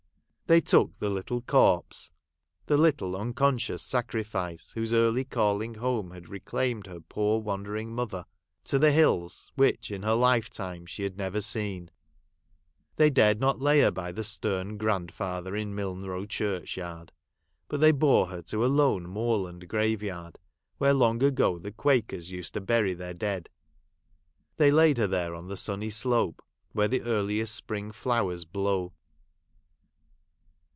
They took the little corpse (the little un conscious sacrifice, whose early calling home had reclaimed her poor wandering mother,) to the hills, which in her life time she had never seen. They dared not lay her by the stern grand father in Milne Row churchyard, but they bore her to a loue moorland grave yard, where long ago the quakers used to bury their dead. They laid her there on the sunny slope, where the earliest spring flowers blow.